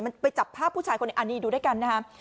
มันไปจับภาพผู้ชายคนนี้อันนี้ดูด้วยกันนะฮะ